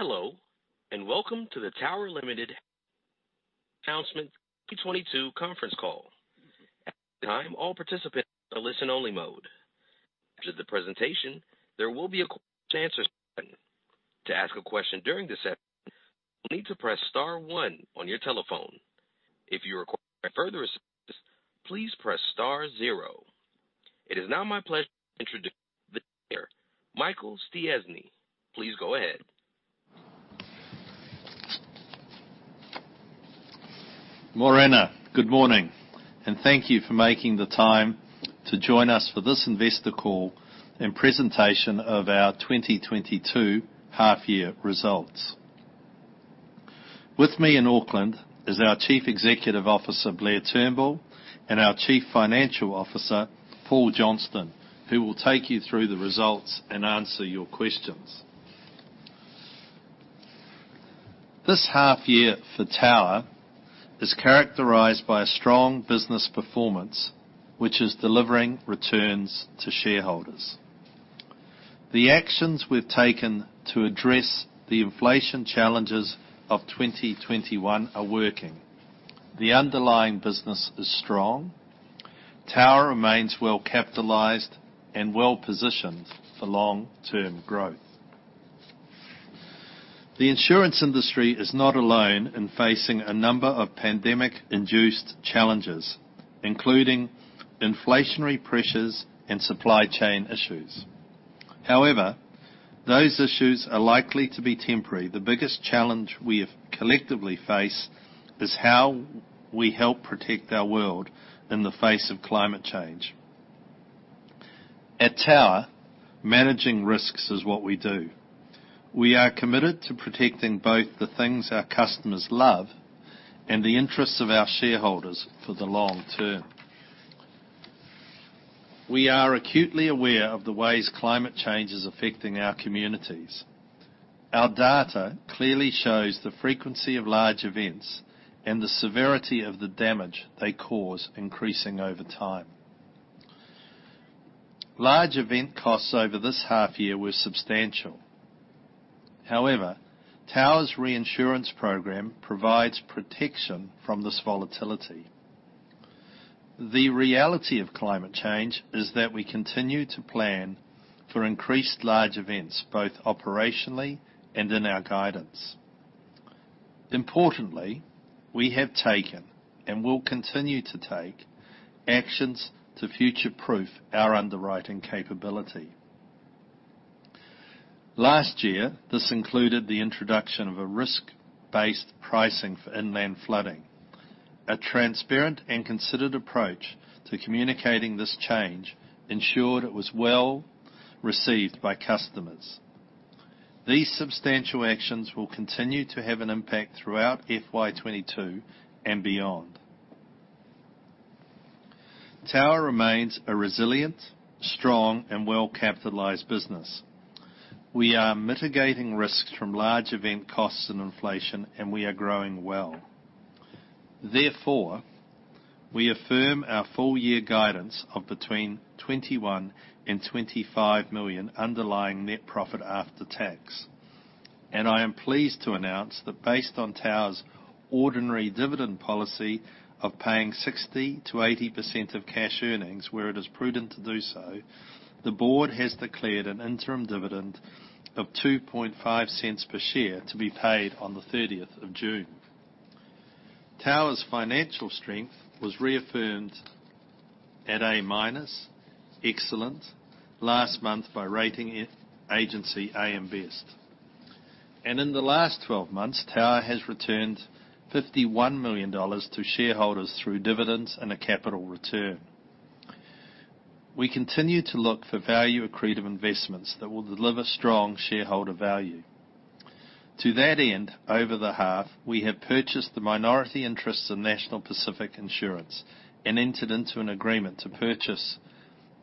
Hello, and welcome to the Tower Limited Announcement 2022 conference call. At this time, all participants are in listen-only mode. After the presentation, there will be a question-and-answer session. To ask a question during the session, you will need to press star one on your telephone. If you require further assistance, please press star zero. It is now my pleasure to introduce Michael Stiassny. Please go ahead. Morena. Good morning and thank you for making the time to join us for this investor call and presentation of our 2022 half year results. With me in Auckland is our Chief Executive Officer, Blair Turnbull, and our Chief Financial Officer, Paul Johnston, who will take you through the results and answer your questions. This half year for Tower is characterized by a strong business performance, which is delivering returns to shareholders. The actions we've taken to address the inflation challenges of 2021 are working. The underlying business is strong. Tower remains well-capitalized and well-positioned for long-term growth. The insurance industry is not alone in facing a number of pandemic-induced challenges, including inflationary pressures and supply chain issues. However, those issues are likely to be temporary. The biggest challenge we have collectively faced is how we help protect our world in the face of climate change. At Tower, managing risks is what we do. We are committed to protecting both the things our customers love and the interests of our shareholders for the long term. We are acutely aware of the ways climate change is affecting our communities. Our data clearly shows the frequency of large events and the severity of the damage they cause increasing over time. Large event costs over this half year were substantial. However, Tower's reinsurance program provides protection from this volatility. The reality of climate change is that we continue to plan for increased large events, both operationally and in our guidance. Importantly, we have taken and will continue to take actions to future-proof our underwriting capability. Last year, this included the introduction of a risk-based pricing for inland flooding. A transparent and considered approach to communicating this change ensured it was well received by customers. These substantial actions will continue to have an impact throughout FY 2022 and beyond. Tower remains a resilient, strong, and well-capitalized business. We are mitigating risks from large event costs and inflation, and we are growing well. Therefore, we affirm our full year guidance of between 21 million and 25 million underlying net profit after tax. I am pleased to announce that based on Tower's ordinary dividend policy of paying 60%-80% of cash earnings where it is prudent to do so, the board has declared an interim dividend of 0.025 per share to be paid on 30th June. Tower's financial strength was reaffirmed at A-minus, excellent, last month by rating agency AM Best. In the last 12 months, Tower has returned 51 million dollars to shareholders through dividends and a capital return. We continue to look for value accretive investments that will deliver strong shareholder value. To that end, over the half, we have purchased the minority interests of National Pacific Insurance and entered into an agreement to purchase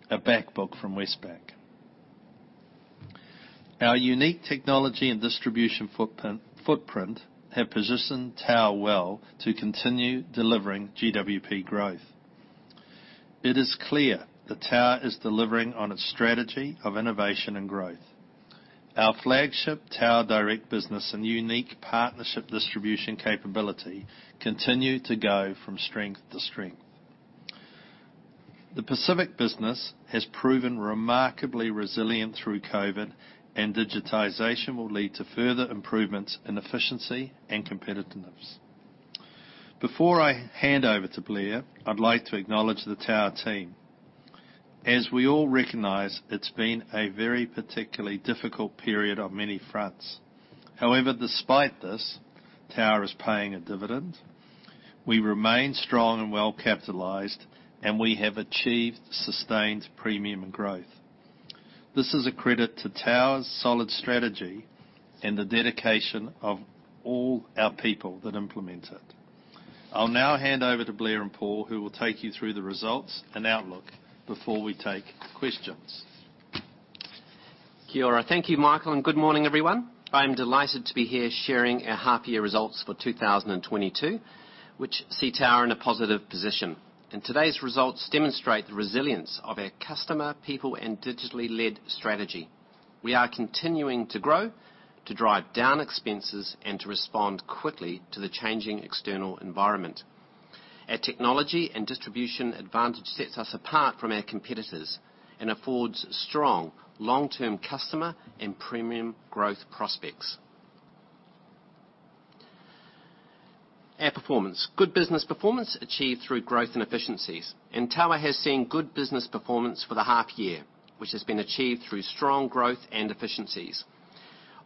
a back book from Westpac. Our unique technology and distribution footprint have positioned Tower well to continue delivering GWP growth. It is clear that Tower is delivering on its strategy of innovation and growth. Our flagship Tower Direct business and unique partnership distribution capability continue to go from strength to strength. The Pacific business has proven remarkably resilient through COVID, and digitization will lead to further improvements in efficiency and competitiveness. Before I hand over to Blair, I'd like to acknowledge the Tower team. As we all recognize, it's been a very particularly difficult period on many fronts. However, despite this, Tower is paying a dividend. We remain strong and well-capitalized, and we have achieved sustained premium growth. This is a credit to Tower's solid strategy and the dedication of all our people that implement it. I'll now hand over to Blair and Paul, who will take you through the results and outlook before we take questions. Kia ora. Thank you, Michael, and good morning, everyone. I am delighted to be here sharing our half year results for 2022, which see Tower in a positive position. Today's results demonstrate the resilience of our customer, people, and digitally led strategy. We are continuing to grow, to drive down expenses, and to respond quickly to the changing external environment. Our technology and distribution advantage sets us apart from our competitors and affords strong long-term customer and premium growth prospects. Our performance. Good business performance achieved through growth and efficiencies. Tower has seen good business performance for the half year, which has been achieved through strong growth and efficiencies.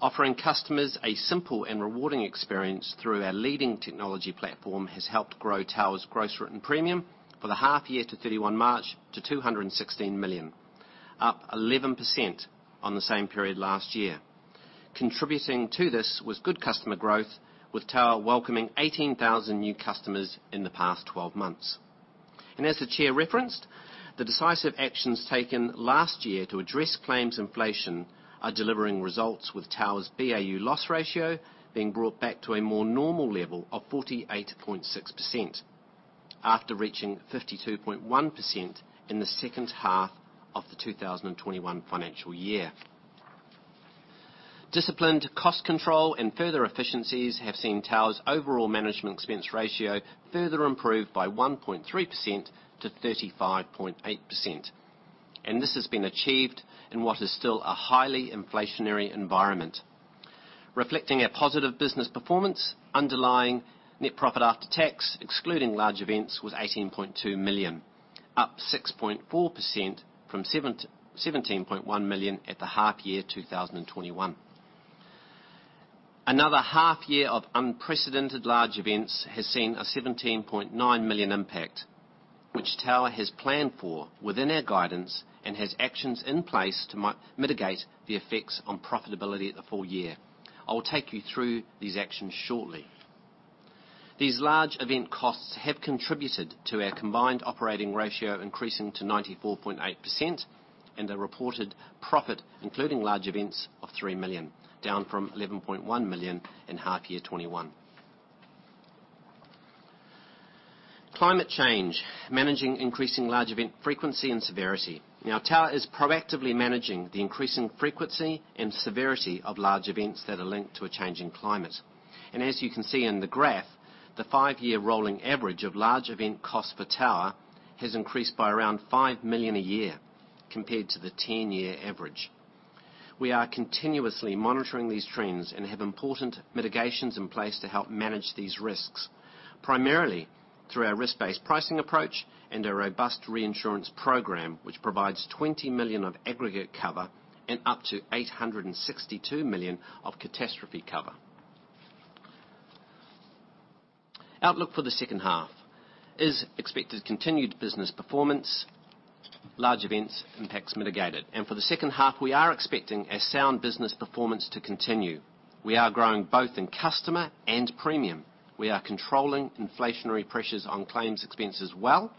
Offering customers a simple and rewarding experience through our leading technology platform has helped grow Tower's gross written premium for the half year to 31 March to 216 million, up 11% on the same period last year. Contributing to this was good customer growth, with Tower welcoming 18,000 new customers in the past 12 months. As the chair referenced, the decisive actions taken last year to address claims inflation are delivering results with Tower's BAU loss ratio being brought back to a more normal level of 48.6% after reaching 52.1% in the second half of the 2021 financial year. Disciplined cost control and further efficiencies have seen Tower's overall management expense ratio further improve by 1.3%-35.8%. This has been achieved in what is still a highly inflationary environment. Reflecting a positive business performance, underlying net profit after tax, excluding large events, was 18.2 million, up 6.4% from 17.1 million at the half year 2021. Another half year of unprecedented large events has seen a 17.9 million impact, which Tower has planned for within our guidance and has actions in place to mitigate the effects on profitability the full year. I will take you through these actions shortly. These large event costs have contributed to our combined operating ratio increasing to 94.8% and a reported profit, including large events of 3 million, down from 11.1 million in half year 2021. Climate change. Managing increasing large event frequency and severity. Tower is proactively managing the increasing frequency and severity of large events that are linked to a changing climate. As you can see in the graph, the five-year rolling average of large event costs per Tower has increased by around 5 million a year compared to the 10-year average. We are continuously monitoring these trends and have important mitigations in place to help manage these risks, primarily through our risk-based pricing approach and a robust reinsurance program, which provides 20 million of aggregate cover and up to 862 million of catastrophe cover. Outlook for the second half is expected continued business performance, large events impact mitigated. For the second half, we are expecting a sound business performance to continue. We are growing both in customer and premium. We are controlling inflationary pressures on claims expenses well,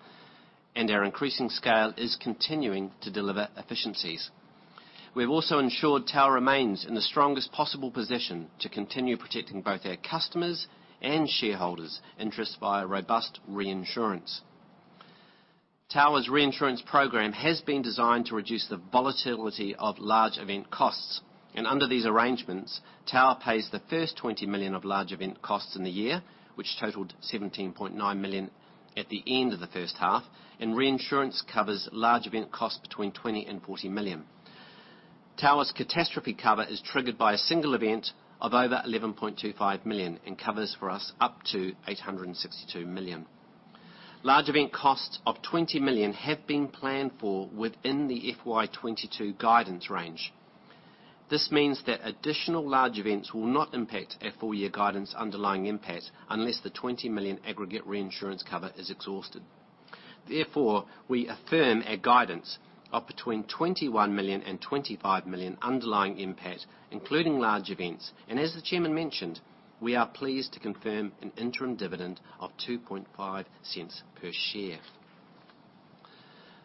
and our increasing scale is continuing to deliver efficiencies. We've also ensured Tower remains in the strongest possible position to continue protecting both our customers' and shareholders' interests via robust reinsurance. Tower's reinsurance program has been designed to reduce the volatility of large event costs, and under these arrangements, Tower pays the first 20 million of large event costs in the year, which totaled 17.9 million at the end of the first half, and reinsurance covers large event costs between 20 million and 40 million. Tower's catastrophe cover is triggered by a single event of over 11.25 million and covers for us up to 862 million. Large event costs of 20 million have been planned for within the FY 2022 guidance range. This means that additional large events will not impact our full year guidance underlying NPAT unless the 20 million aggregate reinsurance cover is exhausted. Therefore, we affirm our guidance of between 21 million and 25 million underlying NPAT, including large events. As the chairman mentioned, we are pleased to confirm an interim dividend of 0.025 per share.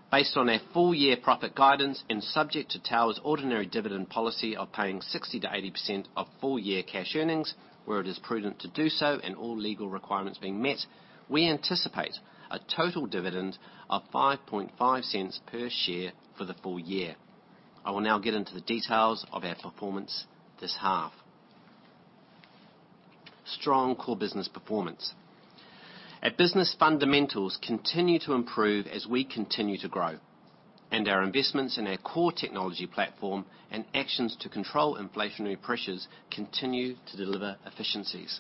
Based on our full year profit guidance and subject to Tower's ordinary dividend policy of paying 60%-80% of full year cash earnings, where it is prudent to do so and all legal requirements being met, we anticipate a total dividend of 0.055 per share for the full year. I will now get into the details of our performance this half. Strong core business performance. Our business fundamentals continue to improve as we continue to grow, and our investments in our core technology platform and actions to control inflationary pressures continue to deliver efficiencies.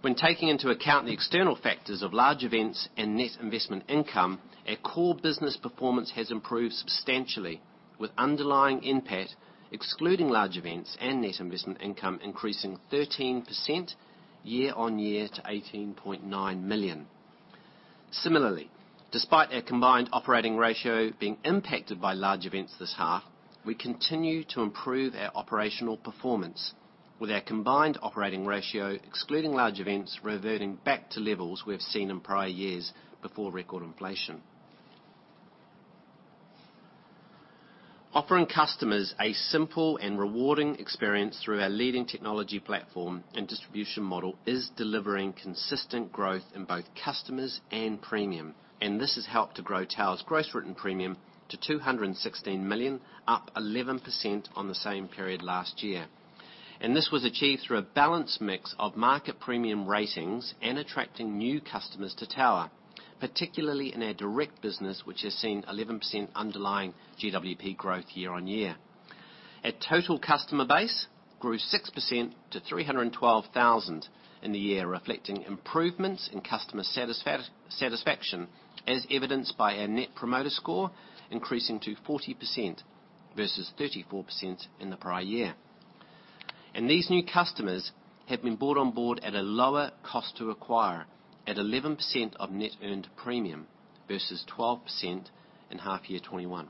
When taking into account the external factors of large events and net investment income, our core business performance has improved substantially with underlying NPAT, excluding large events and net investment income increasing 13% year-on-year to 18.9 million. Similarly, despite our combined operating ratio being impacted by large events this half, we continue to improve our operational performance with our combined operating ratio, excluding large events, reverting back to levels we have seen in prior years before record inflation. Offering customers a simple and rewarding experience through our leading technology platform and distribution model is delivering consistent growth in both customers and premium, and this has helped to grow Tower's gross written premium to 216 million, up 11% on the same period last year. This was achieved through a balanced mix of market premium ratings and attracting new customers to Tower, particularly in our direct business, which has seen 11% underlying GWP growth year on year. Our total customer base grew 6% to 312,000 in the year, reflecting improvements in customer satisfaction as evidenced by our Net Promoter Score increasing to 40% versus 34% in the prior year. These new customers have been brought on board at a lower cost to acquire at 11% of net earned premium versus 12% in half year 2021.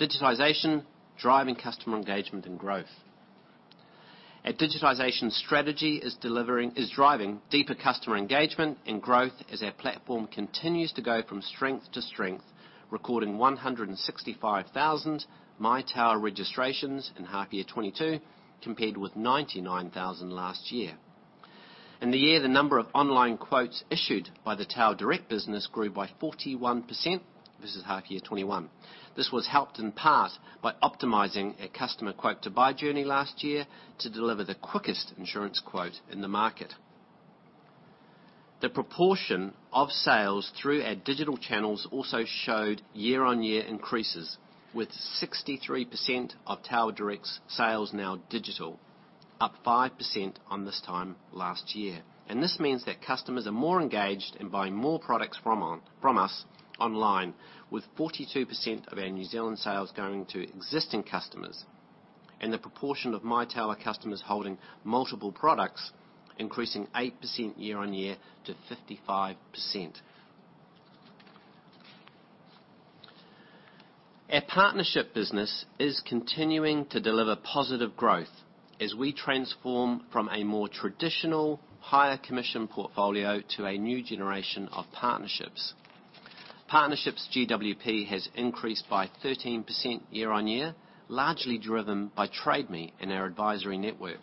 Digitization, driving customer engagement and growth. Our digitization strategy is driving deeper customer engagement and growth as our platform continues to go from strength to strength, recording 165,000 My Tower registrations in half year 2022 compared with 99,000 last year. In the year, the number of online quotes issued by the Tower Direct business grew by 41% versus half year 2021. This was helped in part by optimizing a customer quote to buy journey last year to deliver the quickest insurance quote in the market. The proportion of sales through our digital channels also showed year-on-year increases with 63% of Tower Direct's sales now digital, up 5% on this time last year. This means that customers are more engaged and buying more products from us online with 42% of our New Zealand sales going to existing customers and the proportion of My Tower customers holding multiple products increasing 8% year-on-year to 55%. Our partnership business is continuing to deliver positive growth as we transform from a more traditional higher commission portfolio to a new generation of partnerships. Partnerships GWP has increased by 13% year-on-year, largely driven by Trade Me and our advisory network.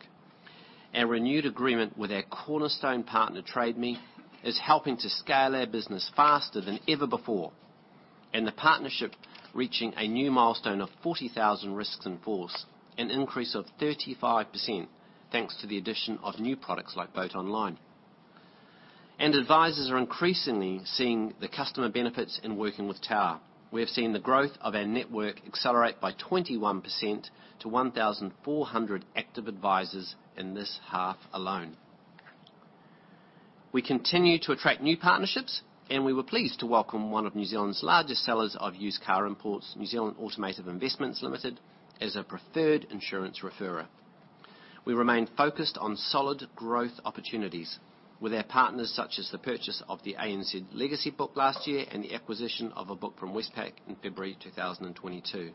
Our renewed agreement with our cornerstone partner, Trade Me, is helping to scale our business faster than ever before. The partnership reaching a new milestone of 40,000 risks in force, an increase of 35%, thanks to the addition of new products like Boat Online. Advisors are increasingly seeing the customer benefits in working with Tower. We have seen the growth of our network accelerate by 21% to 1,400 active advisors in this half alone. We continue to attract new partnerships, and we were pleased to welcome one of New Zealand's largest sellers of used car imports, New Zealand Automotive Investments Limited, as a preferred insurance referrer. We remain focused on solid growth opportunities with our partners such as the purchase of the ANZ legacy book last year and the acquisition of a book from Westpac in February 2022.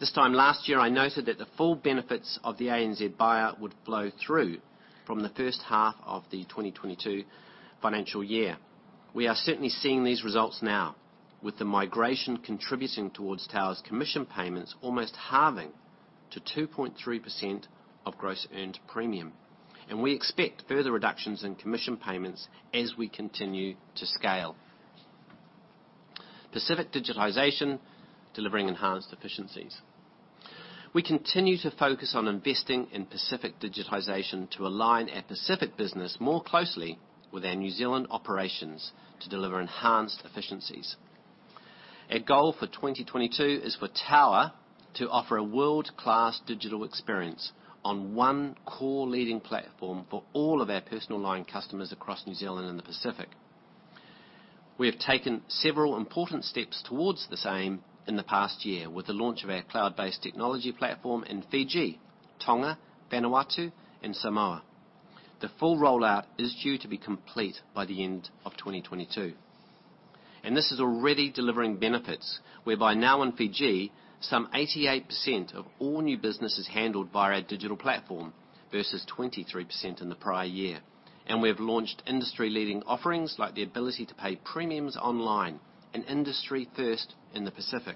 This time last year, I noted that the full benefits of the ANZ buy would flow through from the first half of the 2022 financial year. We are certainly seeing these results now with the migration contributing towards Tower's commission payments almost halving to 2.3% of gross earned premium. We expect further reductions in commission payments as we continue to scale Pacific digitization, delivering enhanced efficiencies. We continue to focus on investing in Pacific digitization to align our Pacific business more closely with our New Zealand operations to deliver enhanced efficiencies. Our goal for 2022 is for Tower to offer a world-class digital experience on one core leading platform for all of our personal line customers across New Zealand and the Pacific. We have taken several important steps towards the same in the past year with the launch of our cloud-based technology platform in Fiji, Tonga, Vanuatu and Samoa. The full rollout is due to be complete by the end of 2022, and this is already delivering benefits whereby now in Fiji, some 88% of all new business is handled via our digital platform versus 23% in the prior year. We have launched industry-leading offerings like the ability to pay premiums online, an industry first in the Pacific.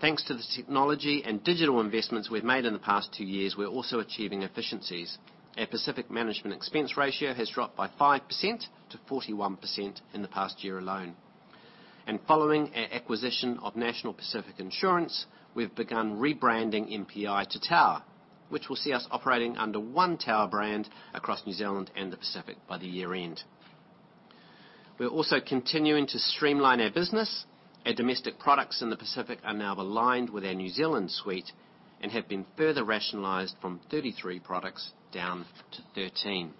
Thanks to the technology and digital investments we've made in the past two years, we're also achieving efficiencies. Our Pacific management expense ratio has dropped by 5% to 41% in the past year alone. Following our acquisition of National Pacific Insurance, we've begun rebranding NPI to Tower, which will see us operating under one Tower brand across New Zealand and the Pacific by the year end. We're also continuing to streamline our business. Our domestic products in the Pacific are now aligned with our New Zealand suite and have been further rationalized from 33 products down to 13.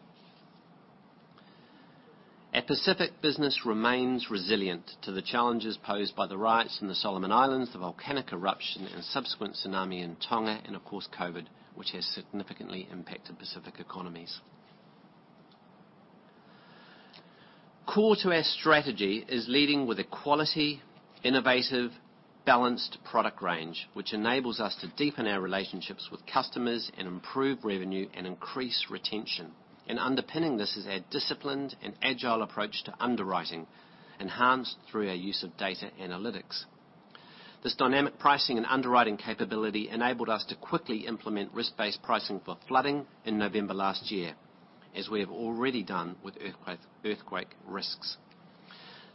Our Pacific business remains resilient to the challenges posed by the riots in the Solomon Islands, the volcanic eruption and subsequent tsunami in Tonga, and of course, COVID, which has significantly impacted Pacific economies. Core to our strategy is leading with a quality, innovative, balanced product range, which enables us to deepen our relationships with customers and improve revenue and increase retention. Underpinning this is our disciplined and agile approach to underwriting, enhanced through our use of data analytics. This dynamic pricing and underwriting capability enabled us to quickly implement risk-based pricing for flooding in November last year, as we have already done with earthquake risks.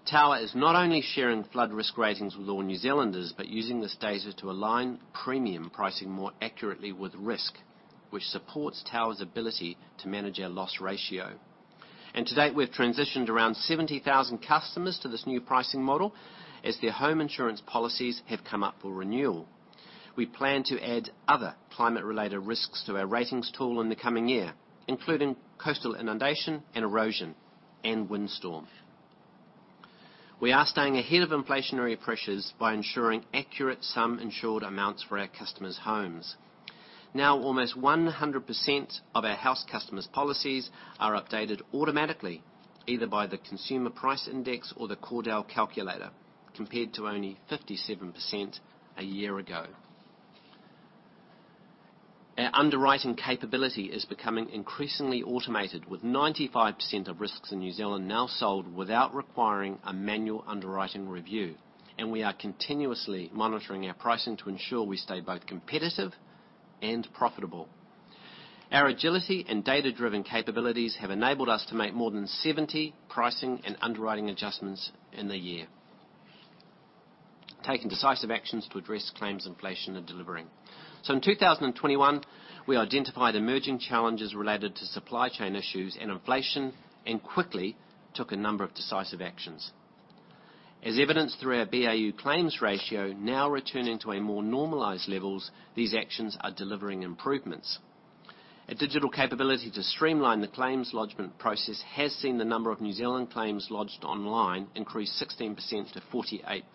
Tower is not only sharing flood risk ratings with all New Zealanders but using this data to align premium pricing more accurately with risk, which supports Tower's ability to manage our loss ratio. To date, we've transitioned around 70,000 customers to this new pricing model as their home insurance policies have come up for renewal. We plan to add other climate-related risks to our ratings tool in the coming year, including coastal inundation and erosion and windstorm. We are staying ahead of inflationary pressures by ensuring accurate sum insured amounts for our customers' homes. Almost 100% of our house customers' policies are updated automatically, either by the Consumer Price Index or the Cordell calculator, compared to only 57% a year ago. Our underwriting capability is becoming increasingly automated, with 95% of risks in New Zealand now sold without requiring a manual underwriting review. We are continuously monitoring our pricing to ensure we stay both competitive and profitable. Our agility and data-driven capabilities have enabled us to make more than 70 pricing and underwriting adjustments in the year, taking decisive actions to address claims inflation and delivering. In 2021, we identified emerging challenges related to supply chain issues and inflation and quickly took a number of decisive actions. As evidenced through our BAU claims ratio now returning to a more normalized levels, these actions are delivering improvements. A digital capability to streamline the claims lodgment process has seen the number of New Zealand claims lodged online increase 16% to 48%.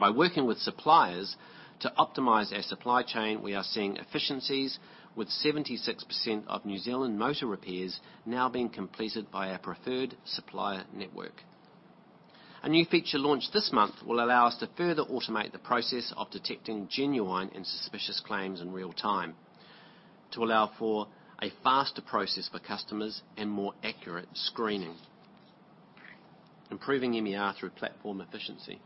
By working with suppliers to optimize our supply chain, we are seeing efficiencies with 76% of New Zealand motor repairs now being completed by our preferred supplier network. A new feature launched this month will allow us to further automate the process of detecting genuine and suspicious claims in real time to allow for a faster process for customers and more accurate screening. Improving MER through platform efficiency.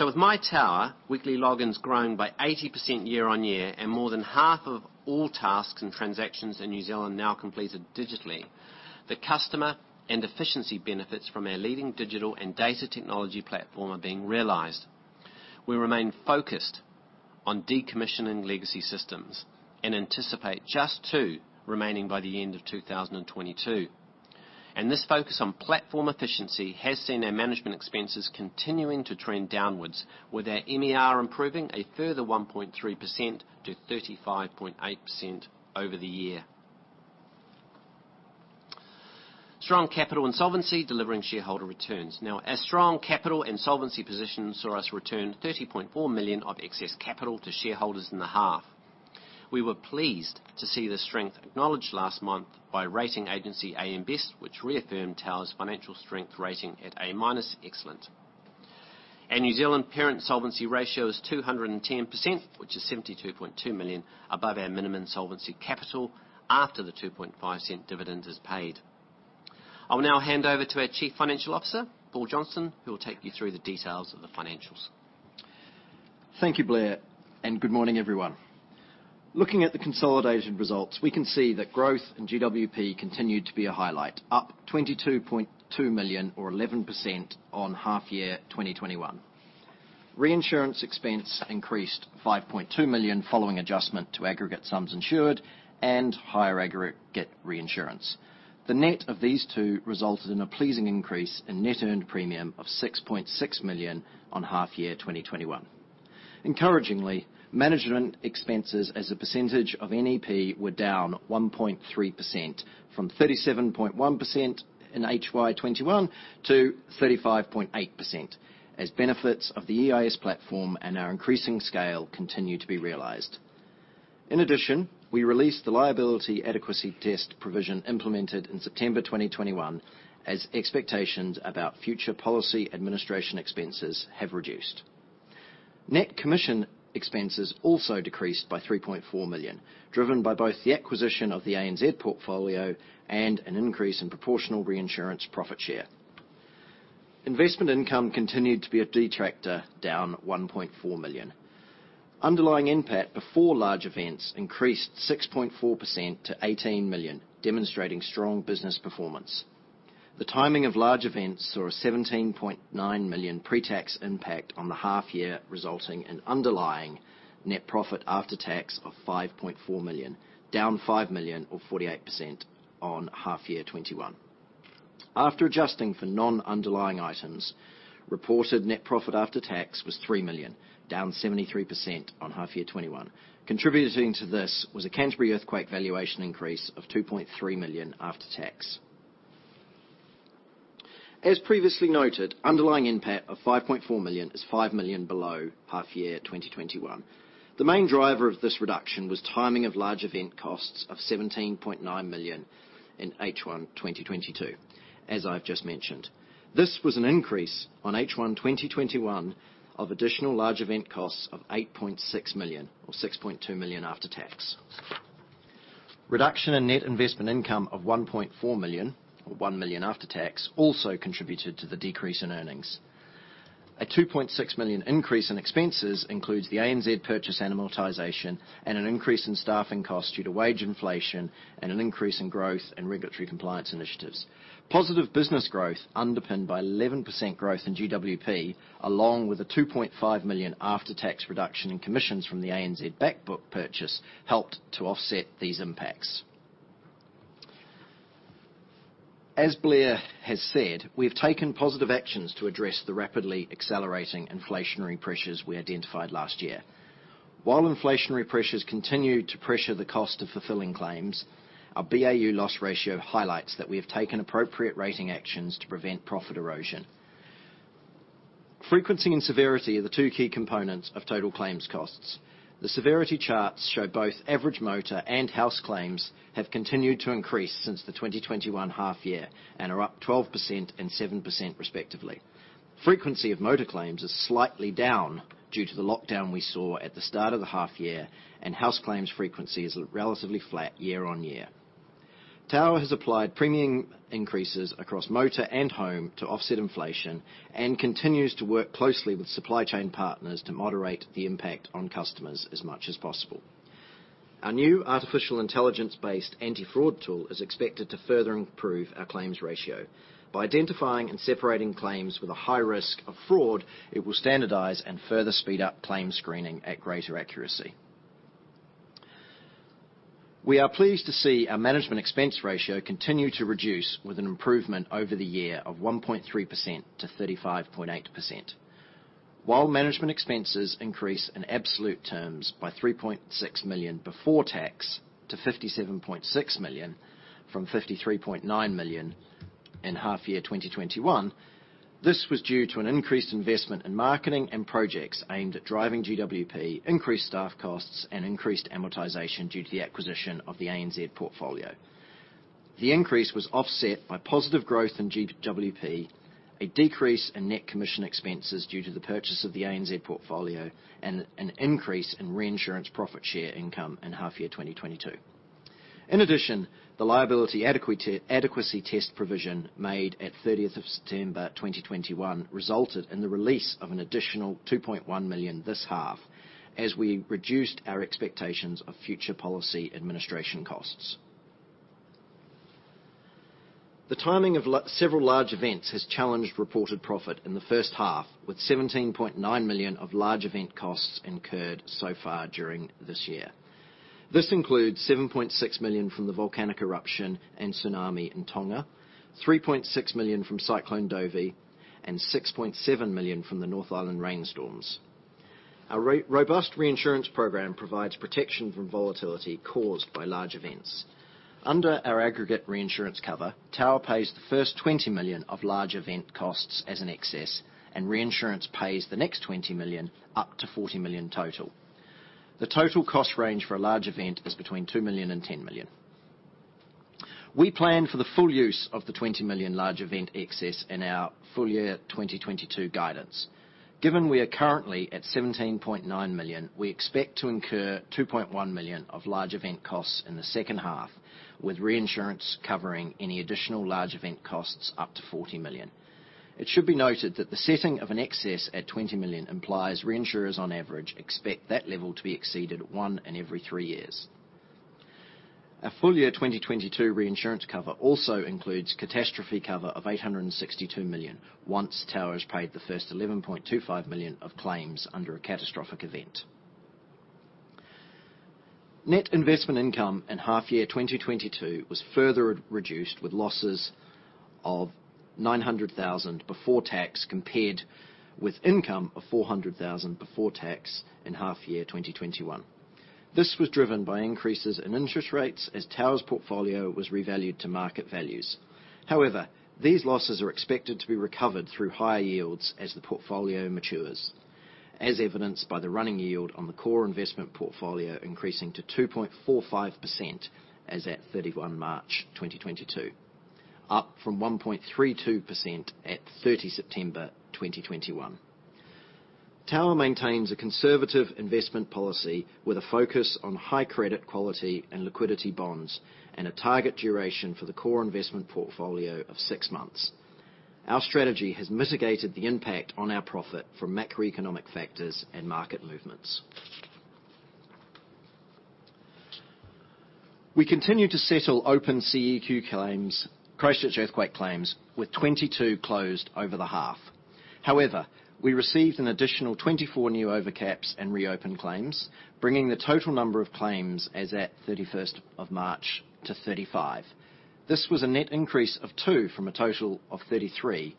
With My Tower, weekly logins grown by 80% year-on-year and more than half of all tasks and transactions in New Zealand now completed digitally. The customer and efficiency benefits from our leading digital and data technology platform are being realized. We remain focused on decommissioning legacy systems and anticipate just two remaining by the end of 2022. This focus on platform efficiency has seen our management expenses continuing to trend downwards with our MER improving a further 1.3%-35.8% over the year. Strong capital and solvency delivering shareholder returns. Now, our strong capital and solvency position saw us return 30.4 million of excess capital to shareholders in the half. We were pleased to see the strength acknowledged last month by rating agency AM Best, which reaffirmed Tower's financial strength rating at A (Excellent). Our New Zealand parent solvency ratio is 210%, which is 72.2 million above our minimum solvency capital after the 2.5 dividend is paid. I'll now hand over to our Chief Financial Officer, Paul Johnston, who will take you through the details of the financials. Thank you, Blair. Good morning, everyone. Looking at the consolidated results, we can see that growth in GWP continued to be a highlight, up 22.2 million or 11% on half year 2021. Reinsurance expense increased 5.2 million following adjustment to aggregate sums insured and higher aggregate reinsurance. The net of these two resulted in a pleasing increase in net earned premium of 6.6 million on half year 2021. Encouragingly, management expenses as a percentage of NEP were down 1.3% from 37.1% in FY 2021 to 35.8% as benefits of the EIS platform and our increasing scale continue to be realized. In addition, we released the liability adequacy test provision implemented in September 2021 as expectations about future policy administration expenses have reduced. Net commission expenses also decreased by 3.4 million, driven by both the acquisition of the ANZ portfolio and an increase in proportional reinsurance profit share. Investment income continued to be a detractor, down 1.4 million. Underlying NPAT before large events increased 6.4% to 18 million, demonstrating strong business performance. The timing of large events saw a 17.9 million pre-tax impact on the half year, resulting in underlying net profit after tax of 5.4 million, down 5 million or 48% on half year 2021. After adjusting for non-underlying items, reported net profit after tax was 3 million, down 73% on half year 2021. Contributing to this was a Canterbury earthquake valuation increase of 2.3 million after tax. As previously noted, underlying NPAT of 5.4 million is 5 million below half year 2021. The main driver of this reduction was timing of large event costs of 17.9 million in H1 2022, as I've just mentioned. This was an increase on H1 2021 of additional large event costs of 8.6 million or 6.2 million after tax. Reduction in net investment income of 1.4 million or 1 million after tax also contributed to the decrease in earnings. A 2.6 million increase in expenses includes the ANZ purchase and amortization, and an increase in staffing costs due to wage inflation, and an increase in growth and regulatory compliance initiatives. Positive business growth underpinned by 11% growth in GWP, along with a 2.5 million after-tax reduction in commissions from the ANZ back book purchase, helped to offset these impacts. As Blair has said, we have taken positive actions to address the rapidly accelerating inflationary pressures we identified last year. While inflationary pressures continue to pressure the cost of fulfilling claims, our BAU loss ratio highlights that we have taken appropriate rating actions to prevent profit erosion. Frequency and severity are the two key components of total claims costs. The severity charts show both average motor and house claims have continued to increase since the 2021 half year and are up 12% and 7% respectively. Frequency of motor claims is slightly down due to the lockdown we saw at the start of the half year, and house claims frequency is relatively flat year on year. Tower has applied premium increases across motor and home to offset inflation and continues to work closely with supply chain partners to moderate the impact on customers as much as possible. Our new artificial intelligence-based anti-fraud tool is expected to further improve our claims ratio. By identifying and separating claims with a high risk of fraud, it will standardize and further speed up claim screening at greater accuracy. We are pleased to see our management expense ratio continue to reduce with an improvement over the year of 1.3%-35.8%. While management expenses increase in absolute terms by 3.6 million before tax to 57.6 million from 53.9 million in half year 2021, this was due to an increased investment in marketing and projects aimed at driving GWP, increased staff costs, and increased amortization due to the acquisition of the ANZ portfolio. The increase was offset by positive growth in GWP, a decrease in net commission expenses due to the purchase of the ANZ portfolio, and an increase in reinsurance profit share income in half year 2022. In addition, the liability adequacy test provision made on 30th September 2021 resulted in the release of an additional 2.1 million this half as we reduced our expectations of future policy administration costs. The timing of several large events has challenged reported profit in the first half, with 17.9 million of large event costs incurred so far during this year. This includes 7.6 million from the volcanic eruption and tsunami in Tonga, 3.6 million from Cyclone Dovi, and 6.7 million from the North Island rainstorms. Our robust reinsurance program provides protection from volatility caused by large events. Under our aggregate reinsurance cover, Tower pays the first 20 million of large event costs as an excess, and reinsurance pays the next 20 million, up to 40 million total. The total cost range for a large event is between 2 million and 10 million. We plan for the full use of the 20 million large event excess in our full year 2022 guidance. Given we are currently at 17.9 million, we expect to incur 2.1 million of large event costs in the second half, with reinsurance covering any additional large event costs up to 40 million. It should be noted that the setting of an excess at 20 million implies reinsurers on average expect that level to be exceeded one in every three years. Our full year 2022 reinsurance cover also includes catastrophe cover of 862 million, once Tower's paid the first 11.25 million of claims under a catastrophic event. Net investment income in half year 2022 was further reduced, with losses of 900,000 before tax, compared with income of 400,000 before tax in half year 2021. This was driven by increases in interest rates as Tower's portfolio was revalued to market values. However, these losses are expected to be recovered through higher yields as the portfolio matures, as evidenced by the running yield on the core investment portfolio increasing to 2.45% as at 31 March 2022, up from 1.32% at 30 September 2021. Tower maintains a conservative investment policy with a focus on high credit quality and liquidity bonds, and a target duration for the core investment portfolio of six months. Our strategy has mitigated the impact on our profit from macroeconomic factors and market movements. We continue to settle open EQC claims, Christchurch earthquake claims, with 22 closed over the half. However, we received an additional 24 new overcaps and reopened claims, bringing the total number of claims as at 31st March to 35. This was a net increase of two from a total of 33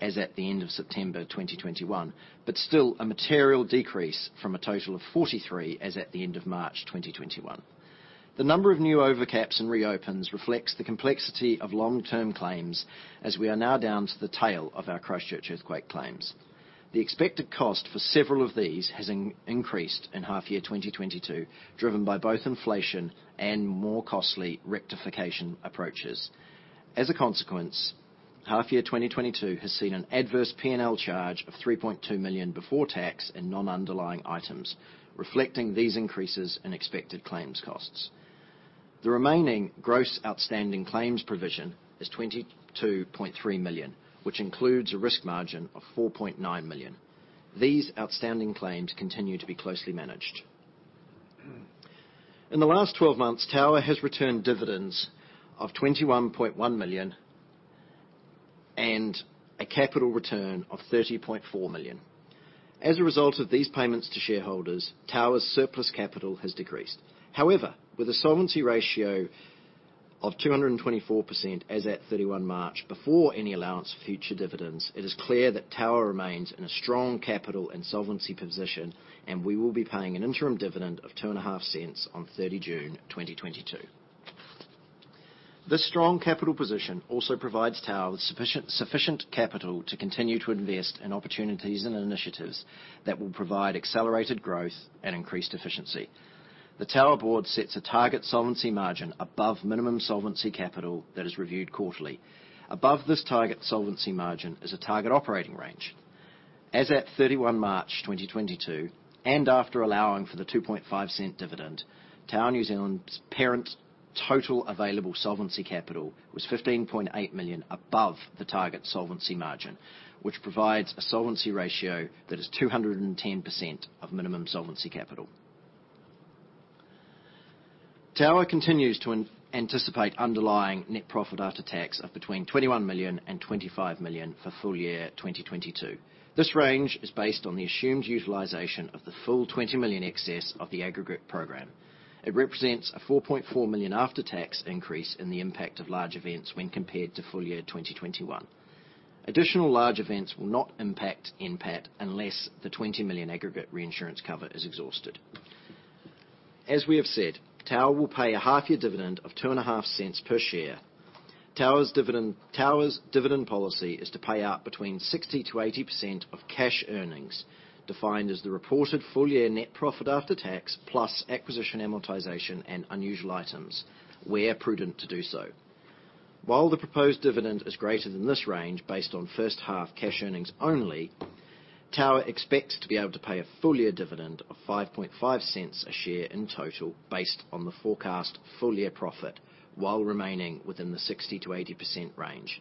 as at the end of September 2021, but still a material decrease from a total of 43 as at the end of March 2021. The number of new overcaps and reopens reflects the complexity of long-term claims as we are now down to the tail of our Christchurch earthquake claims. The expected cost for several of these has increased in half year 2022, driven by both inflation and more costly rectification approaches. As a consequence, half year 2022 has seen an adverse PNL charge of 3.2 million before tax and non-underlying items, reflecting these increases in expected claims costs. The remaining gross outstanding claims provision is 22.3 million, which includes a risk margin of 4.9 million. These outstanding claims continue to be closely managed. In the last 12 months, Tower has returned dividends of 21.1 million and a capital return of 30.4 million. As a result of these payments to shareholders, Tower's surplus capital has decreased. However, with a solvency ratio of 224% as at 31 March, before any allowance for future dividends, it is clear that Tower remains in a strong capital and solvency position, and we will be paying an interim dividend of 0.025 on 30 June 2022. This strong capital position also provides Tower with sufficient capital to continue to invest in opportunities and initiatives that will provide accelerated growth and increased efficiency. The Tower board sets a target solvency margin above minimum solvency capital that is reviewed quarterly. Above this target solvency margin is a target operating range. As at 31 March 2022, and after allowing for the 0.025 dividend, Tower Limited's total available solvency capital was 15.8 million above the target solvency margin, which provides a solvency ratio that is 210% of minimum solvency capital. Tower continues to anticipate underlying net profit after tax of between 21 million and 25 million for full year 2022. This range is based on the assumed utilization of the full 20 million excess of the aggregate program. It represents a 4.4 million after-tax increase in the impact of large events when compared to full year 2021. Additional large events will not impact NPAT unless the 20 million aggregate reinsurance cover is exhausted. As we have said, Tower will pay a half-year dividend of 0.025 per share. Tower's dividend, Tower's dividend policy is to pay out between 60%-80% of cash earnings, defined as the reported full-year net profit after tax, plus acquisition amortization and unusual items, where prudent to do so. While the proposed dividend is greater than this range based on first-half cash earnings only, Tower expects to be able to pay a full-year dividend of 0.055 per share in total based on the forecast full-year profit, while remaining within the 60%-80% range.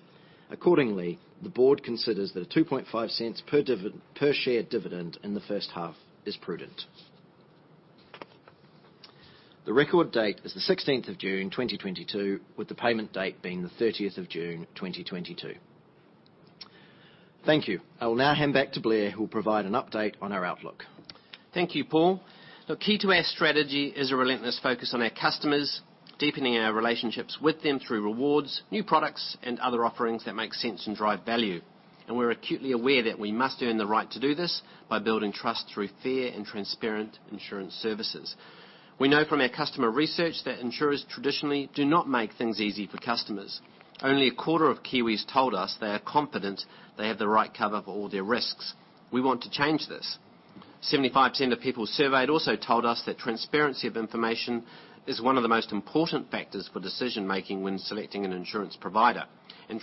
Accordingly, the board considers that a 0.025 per share dividend in the first half is prudent. The record date is the 16 June 2022, with the payment date being the 30th June 2022. Thank you. I will now hand back to Blair, who will provide an update on our outlook. Thank you, Paul. The key to our strategy is a relentless focus on our customers, deepening our relationships with them through rewards, new products, and other offerings that make sense and drive value. We're acutely aware that we must earn the right to do this by building trust through fair and transparent insurance services. We know from our customer research that insurers traditionally do not make things easy for customers. Only a quarter of Kiwis told us they are confident they have the right cover for all their risks. We want to change this. 75% of people surveyed also told us that transparency of information is one of the most important factors for decision-making when selecting an insurance provider.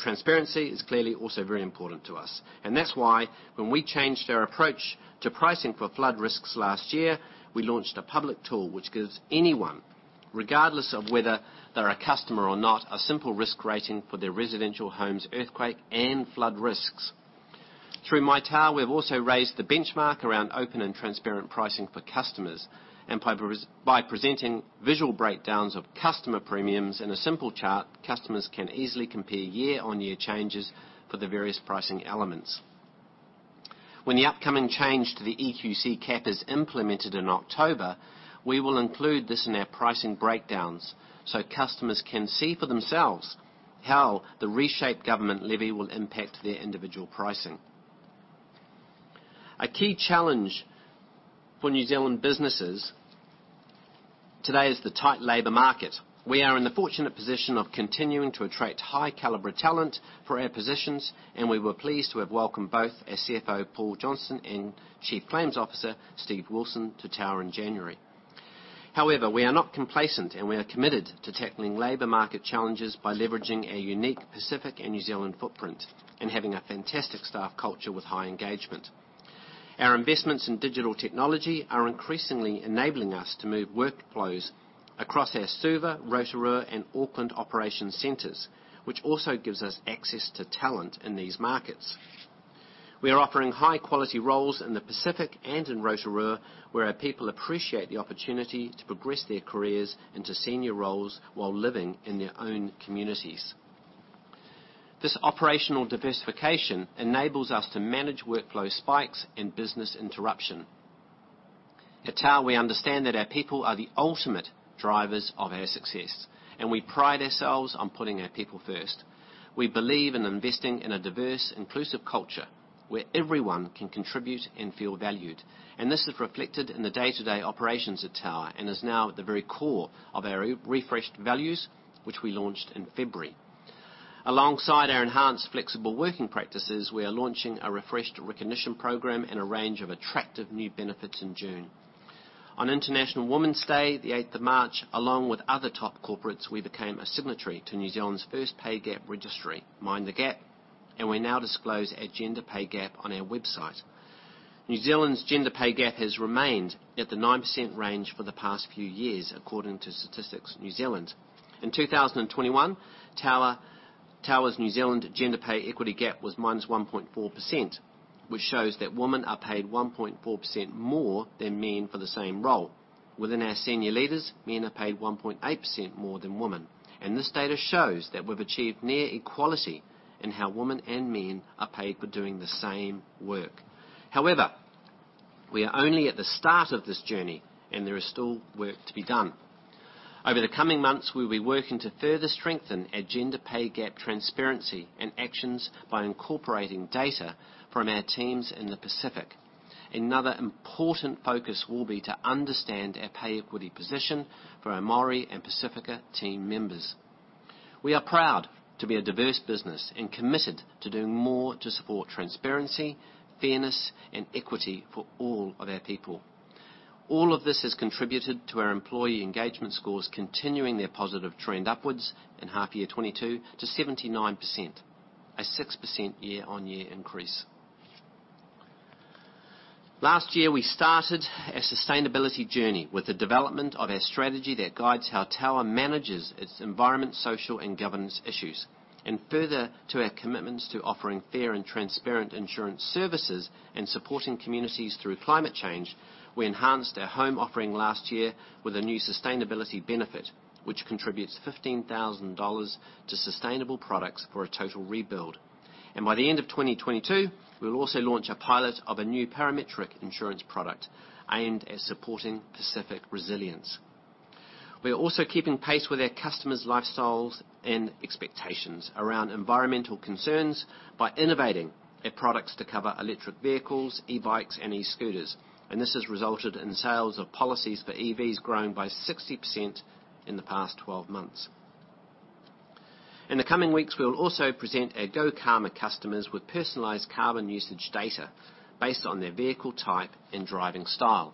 Transparency is clearly also very important to us. That's why when we changed our approach to pricing for flood risks last year, we launched a public tool which gives anyone, regardless of whether they're a customer or not, a simple risk rating for their residential homes earthquake and flood risks. Through My Tower, we have also raised the benchmark around open and transparent pricing for customers. By presenting visual breakdowns of customer premiums in a simple chart, customers can easily compare year-on-year changes for the various pricing elements. When the upcoming change to the EQC cap is implemented in October, we will include this in our pricing breakdowns, so customers can see for themselves how the reshaped government levy will impact their individual pricing. A key challenge for New Zealand businesses today is the tight labor market. We are in the fortunate position of continuing to attract high-caliber talent for our positions, and we were pleased to have welcomed both our CFO, Paul Johnston, and Chief Claims Officer, Steve Wilson, to Tower in January. However, we are not complacent, and we are committed to tackling labor market challenges by leveraging our unique Pacific and New Zealand footprint and having a fantastic staff culture with high engagement. Our investments in digital technology are increasingly enabling us to move workflows across our Suva, Rotorua, and Auckland operations centers, which also gives us access to talent in these markets. We are offering high-quality roles in the Pacific and in Rotorua, where our people appreciate the opportunity to progress their careers into senior roles while living in their own communities. This operational diversification enables us to manage workflow spikes and business interruption. At Tower, we understand that our people are the ultimate drivers of our success, and we pride ourselves on putting our people first. We believe in investing in a diverse, inclusive culture where everyone can contribute and feel valued. This is reflected in the day-to-day operations at Tower and is now at the very core of our re-refreshed values, which we launched in February. Alongside our enhanced flexible working practices, we are launching a refreshed recognition program and a range of attractive new benefits in June. On International Women's Day, the eighth of March, along with other top corporates, we became a signatory to New Zealand's first pay gap registry, Mind the Gap. We now disclose our gender pay gap on our website. New Zealand's gender pay gap has remained at the 9% range for the past few years according to Statistics New Zealand. In 2021, Tower's New Zealand gender pay equity gap was -1.4%, which shows that women are paid 1.4% more than men for the same role. Within our senior leaders, men are paid 1.8% more than women. This data shows that we've achieved near equality in how women and men are paid for doing the same work. However, we are only at the start of this journey, and there is still work to be done. Over the coming months, we'll be working to further strengthen our gender pay gap transparency and actions by incorporating data from our teams in the Pacific. Another important focus will be to understand our pay equity position for our Māori and Pasifika team members. We are proud to be a diverse business and committed to doing more to support transparency, fairness, and equity for all of our people. All of this has contributed to our employee engagement scores continuing their positive trend upwards in half year 2022 to 79%, a 6% year-on-year increase. Last year, we started a sustainability journey with the development of our strategy that guides how Tower manages its environment, social, and governance issues. Further to our commitments to offering fair and transparent insurance services and supporting communities through climate change, we enhanced our home offering last year with a new sustainability benefit, which contributes 15,000 dollars to sustainable products for a total rebuild. By the end of 2022, we'll also launch a pilot of a new parametric insurance product aimed at supporting Pacific resilience. We are also keeping pace with our customers' lifestyles and expectations around environmental concerns by innovating our products to cover electric vehicles, e-bikes, and e-scooters. This has resulted in sales of policies for EVs growing by 60% in the past 12 months. In the coming weeks, we will also present our GoCarma customers with personalized carbon usage data based on their vehicle type and driving style.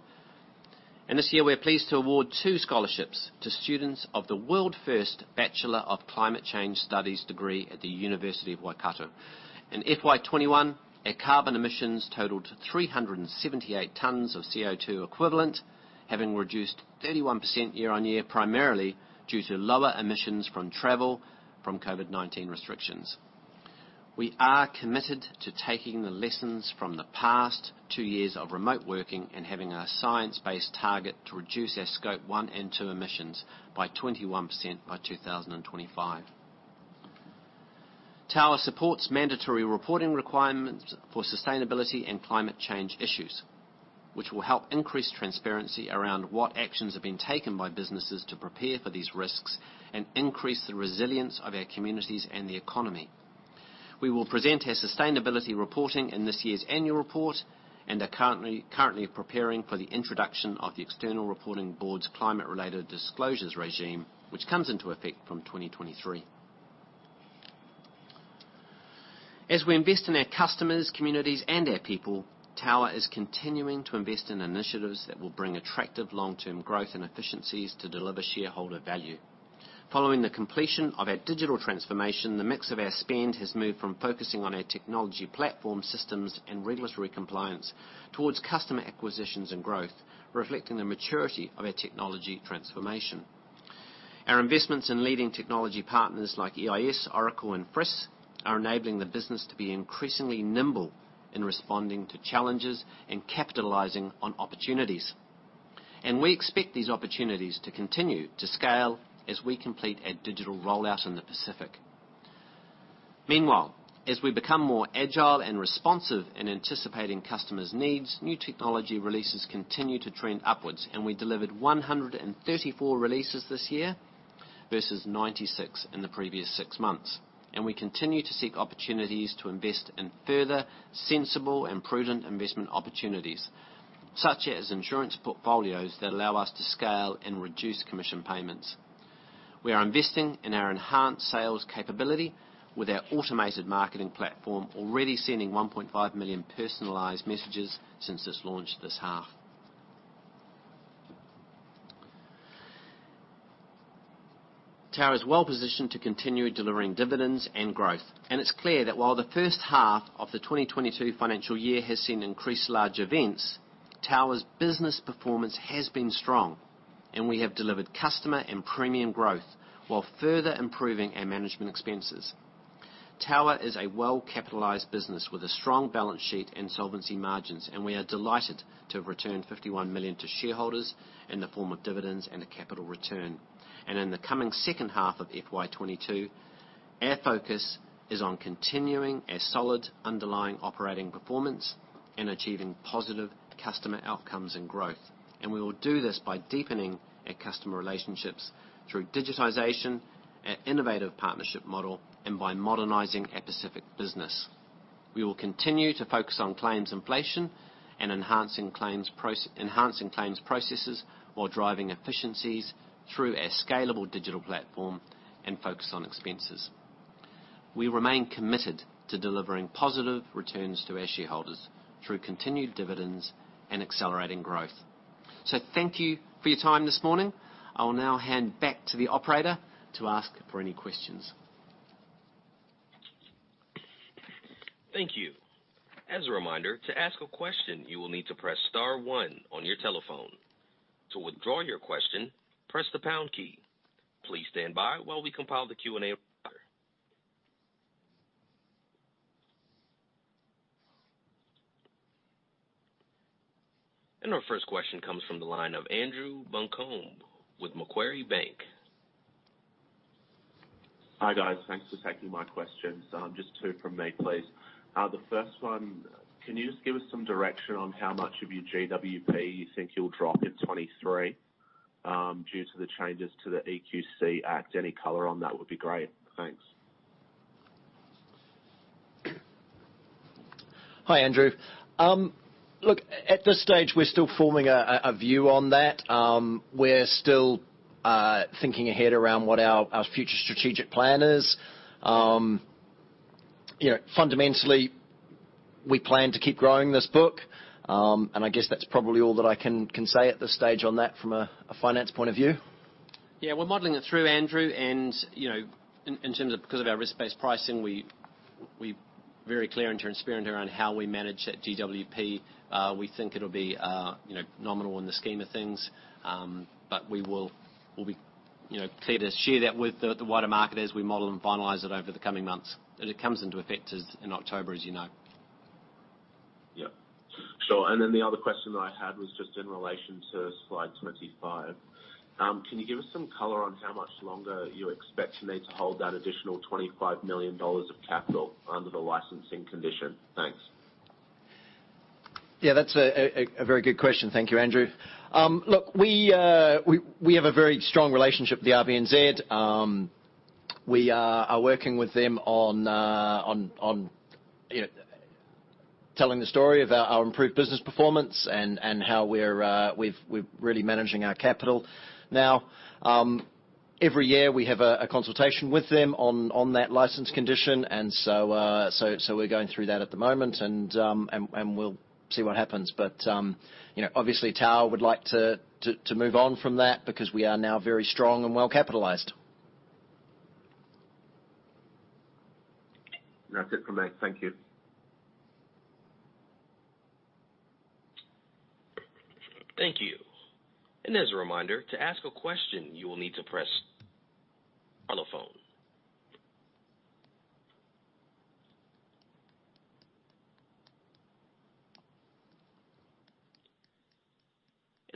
This year, we're pleased to award two scholarships to students of the world-first Bachelor of Climate Change Studies degree at the University of Waikato. In FY 2021, our carbon emissions totaled 378 tons of CO₂ equivalent, having reduced 31% year-on-year, primarily due to lower emissions from travel from COVID-19 restrictions. We are committed to taking the lessons from the past two years of remote working and having a science-based target to reduce our scope one and two emissions by 21% by 2025. Tower supports mandatory reporting requirements for sustainability and climate change issues, which will help increase transparency around what actions have been taken by businesses to prepare for these risks and increase the resilience of our communities and the economy. We will present our sustainability reporting in this year's annual report and are currently preparing for the introduction of the External Reporting Board's climate-related disclosures regime, which comes into effect from 2023. As we invest in our customers, communities, and our people, Tower is continuing to invest in initiatives that will bring attractive long-term growth and efficiencies to deliver shareholder value. Following the completion of our digital transformation, the mix of our spend has moved from focusing on our technology platform systems and regulatory compliance towards customer acquisitions and growth, reflecting the maturity of our technology transformation. Our investments in leading technology partners like EIS, Oracle, and FRISS are enabling the business to be increasingly nimble in responding to challenges and capitalizing on opportunities. We expect these opportunities to continue to scale as we complete our digital rollout in the Pacific. Meanwhile, as we become more agile and responsive in anticipating customers' needs, new technology releases continue to trend upwards, and we delivered 134 releases this year versus 96 in the previous six months. We continue to seek opportunities to invest in further sensible and prudent investment opportunities, such as insurance portfolios that allow us to scale and reduce commission payments. We are investing in our enhanced sales capability with our automated marketing platform already sending 1.5 million personalized messages since this launch this half. Tower is well positioned to continue delivering dividends and growth. It's clear that while the first half of the 2022 financial year has seen increased large events, Tower's business performance has been strong, and we have delivered customer and premium growth while further improving our management expenses. Tower is a well-capitalized business with a strong balance sheet and solvency margins, and we are delighted to have returned 51 million to shareholders in the form of dividends and a capital return. In the coming second half of FY 2022, our focus is on continuing our solid underlying operating performance and achieving positive customer outcomes and growth. We will do this by deepening our customer relationships through digitization, our innovative partnership model, and by modernizing our Pacific business. We will continue to focus on claims inflation and enhancing claims processes while driving efficiencies through our scalable digital platform and focus on expenses. We remain committed to delivering positive returns to our shareholders through continued dividends and accelerating growth. Thank you for your time this morning. I will now hand back to the operator to ask for any questions. Thank you. As a reminder, to ask a question, you will need to press star one on your telephone. To withdraw your question, press the pound key. Please stand by while we compile the Q&A. Our first question comes from the line of Andrew Buncombe with Macquarie Bank. Hi, guys. Thanks for taking my questions. Just two from me, please. The first one, can you just give us some direction on how much of your GWP you think you'll drop in 2023, due to the changes to the EQC Act? Any color on that would be great. Thanks. Hi, Andrew. Look, at this stage, we're still forming a view on that. We're still thinking ahead around what our future strategic plan is. You know, fundamentally, we plan to keep growing this book. I guess that's probably all that I can say at this stage on that from a finance point of view. Yeah, we're modeling it through Andrew and, you know, in terms of because of our risk-based pricing, we very clear and transparent around how we manage that GWP. We think it'll be, you know, nominal in the scheme of things. But we will, we'll be, you know, clear to share that with the wider market as we model and finalize it over the coming months. It comes into effect as in October, as you know. Yeah. Sure. The other question that I had was just in relation to slide 25. Can you give us some color on how much longer you expect to need to hold that additional 25 million dollars of capital under the licensing condition? Thanks. Yeah, that's a very good question. Thank you, Andrew. Look, we have a very strong relationship with the RBNZ. We are working with them on you know telling the story of our improved business performance and how we're really managing our capital. Now, every year we have a consultation with them on that license condition. We're going through that at the moment, and we'll see what happens. You know, obviously Tower would like to move on from that because we are now very strong and well-capitalized. That's it from me. Thank you. Thank you. As a reminder, to ask a question, you will need to press one on the phone.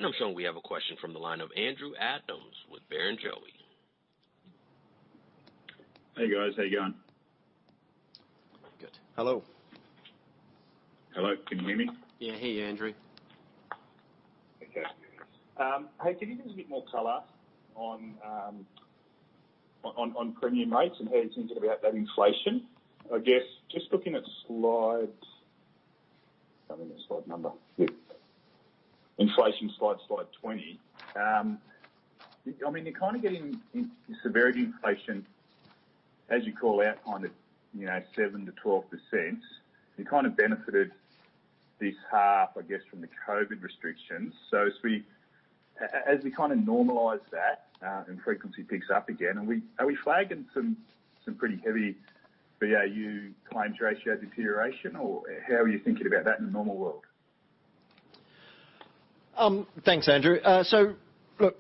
I'm showing we have a question from the line of Andrew Adams with Barrenjoey. Hey, guys. How you going? Good. Hello. Hello. Can you hear me? Yeah. Hey, Andrew. Okay. Hey, can you give us a bit more color on premium rates and how you're thinking about that inflation? I guess just looking at slide. I mean, the slide number. Inflation slide 20. I mean, you're kind of getting in severity inflation, as you call out, kind of, you know, 7%-12%. You kind of benefited this half, I guess, from the COVID restrictions. As we as we kind of normalize that and frequency picks up again, are we flagging some pretty heavy BAU claims ratio deterioration or how are you thinking about that in a normal world? Thanks, Andrew. So, look,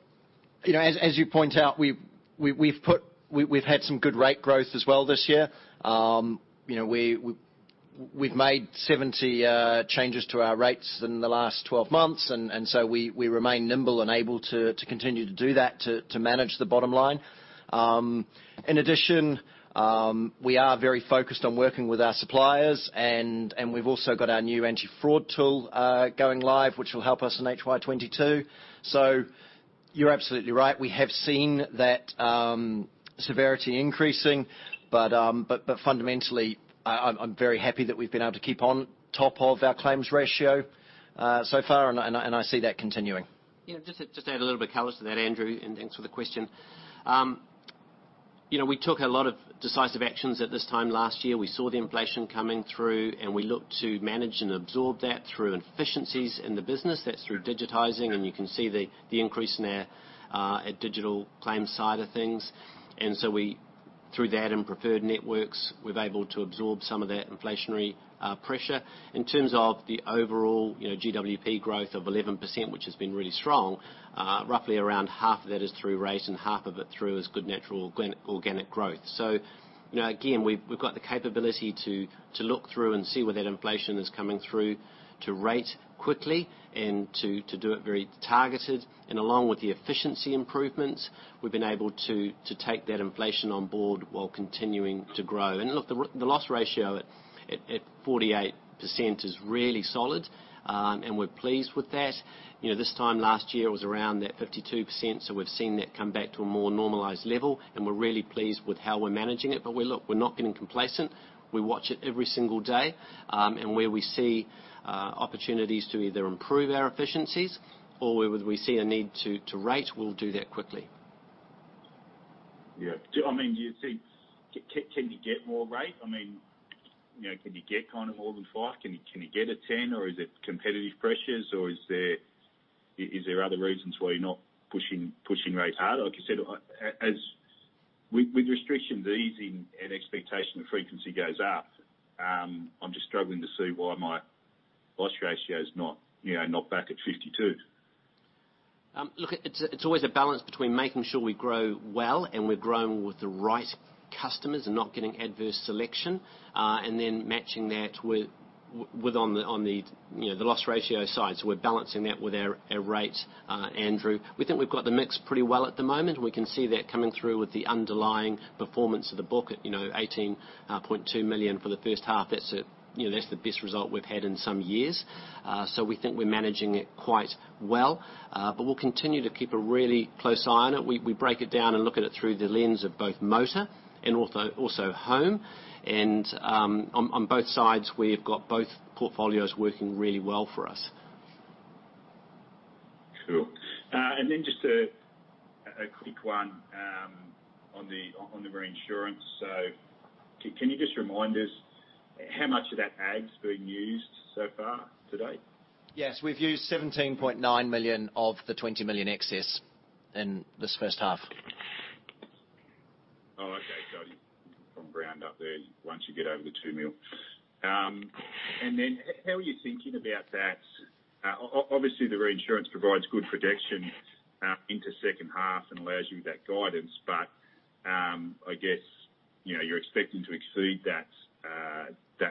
you know, as you point out, we've had some good rate growth as well this year. You know, we've made 70 changes to our rates in the last 12 months, and so we remain nimble and able to continue to do that to manage the bottom line. In addition, we are very focused on working with our suppliers, and we've also got our new anti-fraud tool going live, which will help us in FY 2022. So, you're absolutely right. We have seen that severity increasing. Fundamentally, I'm very happy that we've been able to keep on top of our claim ratio so far, and I see that continuing. Yeah, just to add a little bit color to that, Andrew, and thanks for the question. You know, we took a lot of decisive actions at this time last year. We saw the inflation coming through, and we looked to manage and absorb that through efficiencies in the business. That's through digitizing, and you can see the increase in our digital claims side of things. Through that and preferred networks, we're able to absorb some of that inflationary pressure. In terms of the overall, you know, GWP growth of 11%, which has been really strong, roughly around half of that is through rate and half of it is through good natural organic growth. You know, again, we've got the capability to look through and see where that inflation is coming through to rate quickly and to do it very targeted. Along with the efficiency improvements, we've been able to take that inflation on board while continuing to grow. Look, the loss ratio at 48% is really solid, and we're pleased with that. You know, this time last year was around that 52%, so we've seen that come back to a more normalized level, and we're really pleased with how we're managing it. Look, we're not getting complacent. We watch it every single day, and where we see opportunities to either improve our efficiencies or where we see a need to rate, we'll do that quickly. Yeah. I mean, do you think can you get more rate? I mean, you know, can you get kind of more than 5%? Can you get a 10% or is it competitive pressures or is there other reasons why you're not pushing rates hard? Like you said, as with restrictions easing and expectation of frequency goes up, I'm just struggling to see why my loss ratio is not, you know, not back at 52%. Look, it's always a balance between making sure we grow well and we're growing with the right customers and not getting adverse selection, and then matching that with on the, on the, you know, the loss ratio side. We're balancing that with our rates, Andrew. We think we've got the mix pretty well at the moment. We can see that coming through with the underlying performance of the book at, you know, 18.2 million for the first half. That's, you know, that's the best result we've had in some years. So we think we're managing it quite well. But we'll continue to keep a really close eye on it. We break it down and look at it through the lens of both motor and also home. On both sides, we've got both portfolios working really well for us. Cool. Just a quick one on the reinsurance. Can you just remind us how much of that aggregate's been used so far to date? Yes. We've used 17.9 million of the 20 million excess in this first half. Oh, okay. Got it. From ground up there once you get over the 2 million. How are you thinking about that? Obviously the reinsurance provides good protection into second half and allows you that guidance, but I guess, you know, you're expecting to exceed that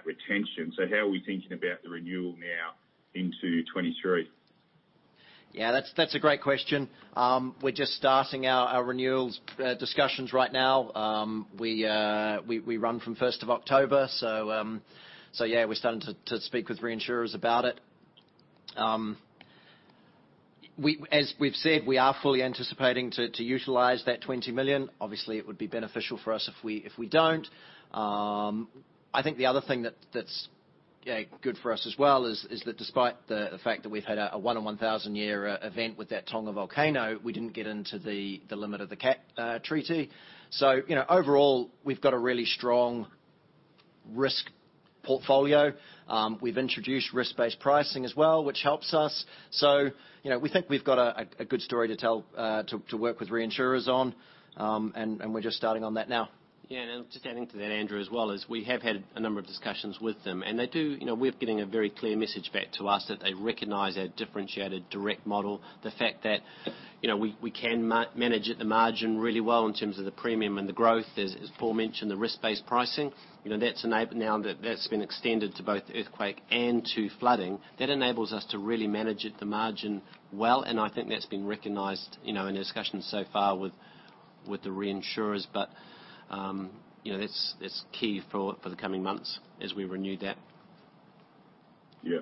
retention. How are we thinking about the renewal now into 2023? Yeah, that's a great question. We're just starting our renewals discussions right now. We run from first of October, so yeah, we're starting to speak with reinsurers about it. As we've said, we are fully anticipating to utilize that 20 million. Obviously, it would be beneficial for us if we don't. I think the other thing that's good for us as well is that despite the fact that we've had a one in 1,000-year event with that Tonga volcano, we didn't get into the limit of the catastrophe treaty. So, you know, overall, we've got a really strong risk portfolio. We've introduced risk-based pricing as well, which helps us. You know, we think we've got a good story to tell to work with reinsurers on. We're just starting on that now. Yeah, just adding to that, Andrew, as well, is we have had a number of discussions with them, and they do, you know, we're getting a very clear message back to us that they recognize our differentiated direct model. The fact that, you know, we can manage at the margin really well in terms of the premium and the growth. As Paul mentioned, the risk-based pricing, you know, that's now been extended to both earthquake and to flooding, that enables us to really manage at the margin well, and I think that's been recognized, you know, in the discussions so far with the reinsurers. But, you know, that's key for the coming months as we renew that. Yeah.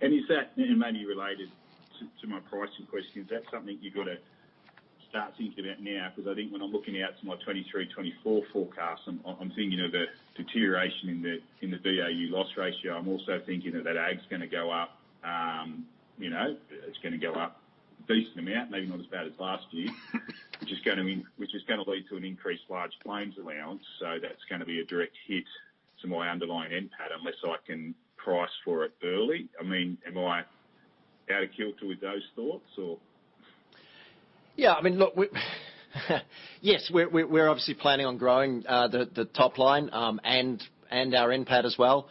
Is that, you know, maybe related to my pricing question, is that something you've got to start thinking about now? Because I think when I'm looking out to my 2023, 2024 forecast, I'm thinking of a deterioration in the BAU loss ratio. I'm also thinking that aggregate is gonna go up, you know, it's gonna go up a decent amount, maybe not as bad as last year. Which is gonna lead to an increased large claims allowance. That's gonna be a direct hit to my underlying NPAT unless I can price for it early. I mean, am I out of kilter with those thoughts or? Yeah, I mean, look, yes, we're obviously planning on growing the top line and our NPAT as well.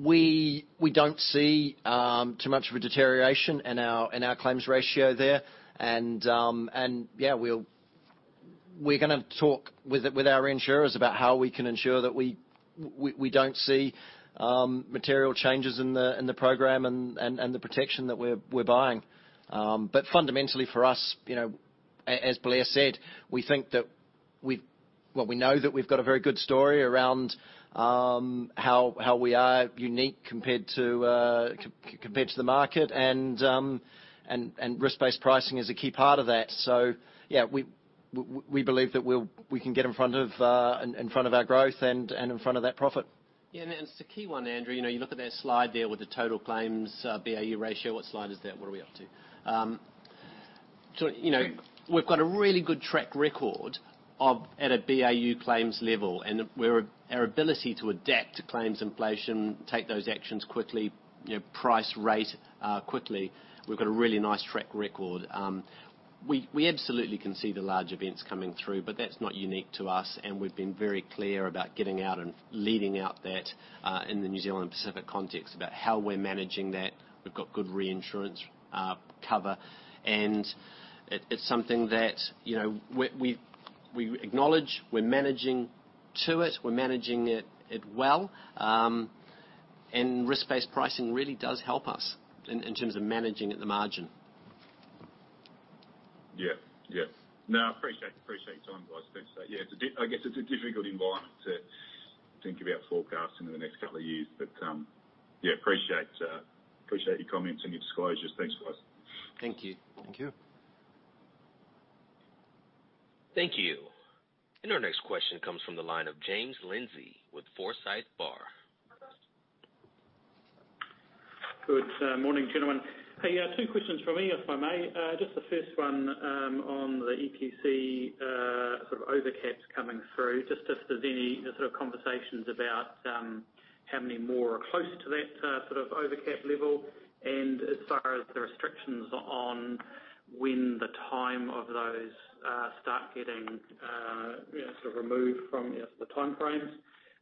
You know, we don't see too much of a deterioration in our claims ratio there. Yeah, we're gonna talk with our insurers about how we can ensure that we don't see material changes in the program and the protection that we're buying. Fundamentally for us, you know, as Blair said, we think that, well, we know that we've got a very good story around how we are unique compared to the market and risk-based pricing is a key part of that. Yeah, we can get in front of our growth and in front of that profit. Yeah, it's the key one, Andrew. You know, you look at that slide there with the total claims BAU ratio. What slide is that? What are we up to? So, you know, we've got a really good track record at a BAU claims level and our ability to adapt to claims inflation, take those actions quickly, you know, price rate quickly. We've got a really nice track record. We absolutely can see the large events coming through, but that's not unique to us, and we've been very clear about getting out and leading out that in the New Zealand Pacific context about how we're managing that. We've got good reinsurance cover, and it's something that, you know, we acknowledge, we're managing it well. Risk-based pricing really does help us in terms of managing at the margin. Yeah. No, I appreciate your time, guys. Thanks. Yeah, it's a difficult environment to think about forecasting in the next couple of years. Appreciate your comments and your disclosures. Thanks, guys. Thank you. Thank you. Thank you. Our next question comes from the line of James Lindsay with Forsyth Barr. Good morning gentlemen. Hey, two questions for me if I may. Just the first one, on the EQC, sort of overcaps coming through, just if there's any sort of conversations about how many more are close to that sort of overcap level and as far as the restrictions on when the time of those start getting you know sort of removed from the timeframes.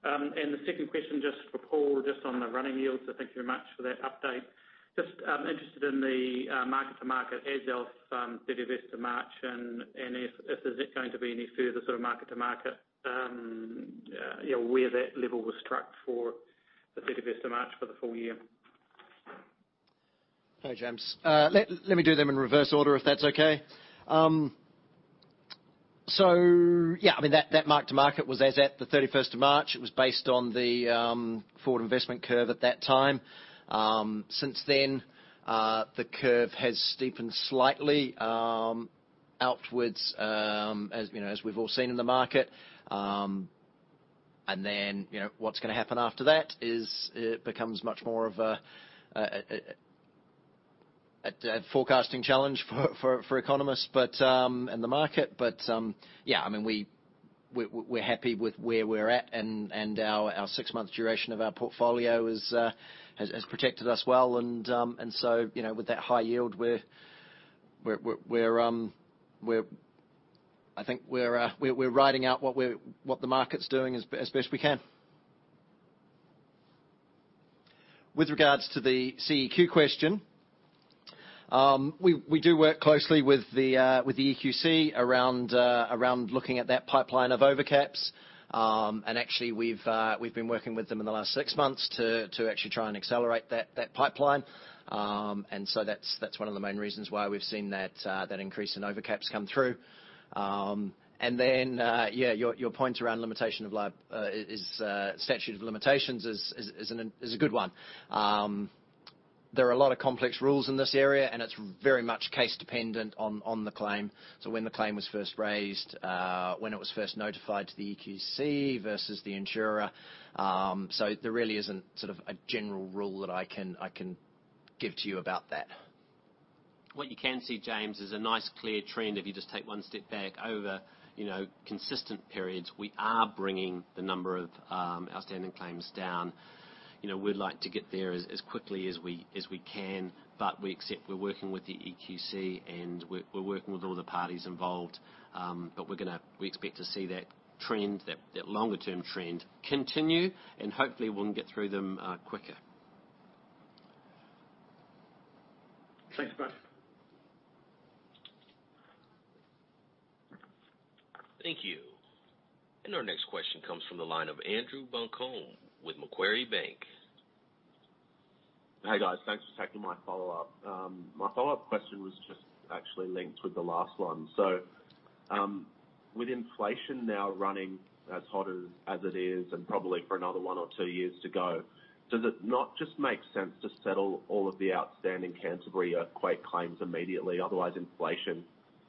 The second question, just for Paul, just on the running yields, so thank you very much for that update. Just, I'm interested in the mark-to-market as of thirty-first of March and if there's going to be any further sort of mark-to-market you know where that level was struck for the thirty-first of March for the full year. Hey, James. Let me do them in reverse order if that's okay. I mean, that mark-to-market was as at the 31st of March. It was based on the forward investment curve at that time. Since then, the curve has steepened slightly outwards, as you know, as we've all seen in the market. You know, what's gonna happen after that is it becomes much more of a forecasting challenge for economists and the market. Yeah, I mean we're happy with where we're at and our six-month duration of our portfolio has protected us well. You know, with that high yield we're... I think we're riding out what the market's doing as best we can. With regards to the EQC question, we do work closely with the EQC around looking at that pipeline of overcaps. Actually we've been working with them in the last six months to actually try and accelerate that pipeline. That's one of the main reasons why we've seen that increase in overcaps come through. Your point around statute of limitations is a good one. There are a lot of complex rules in this area and it's very much case dependent on the claim. When the claim was first raised, when it was first notified to the EQC versus the insurer. There really isn't sort of a general rule that I can give to you about that. What you can see, James, is a nice clear trend if you just take one step back over, you know, consistent periods. We are bringing the number of outstanding claims down. You know, we'd like to get there as quickly as we can, but we accept we're working with the EQC and we're working with all the parties involved. We expect to see that trend, that longer-term trend continue and hopefully we'll get through them quicker. Thanks, guys. Thank you. Our next question comes from the line of Andrew Buncombe with Macquarie Bank. Hey, guys. Thanks for taking my follow-up. My follow-up question was just actually linked with the last one. With inflation now running as hot as it is, and probably for another one or two years to go, does it not just make sense to settle all of the outstanding Canterbury earthquake claims immediately? Otherwise, inflation